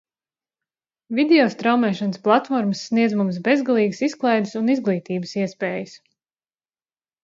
Video straumēšanas platformas sniedz mums bezgalīgas izklaides un izglītības iespējas.